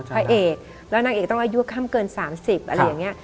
พระเอกแล้วนางเอกต้องอายุข้ามเกิน๓๐อะไรอย่างนี้